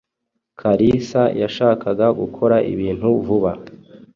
Kalisa yashakaga gukora ibintu vuba.